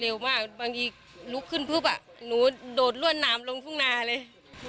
เร็วมากบางทีลุกขึ้นปุ๊บอ่ะหนูโดดลวดหนามลงทุ่งนาเลย